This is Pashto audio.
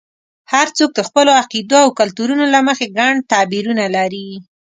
هر څوک د خپلو عقیدو او کلتورونو له مخې ګڼ تعبیرونه لري.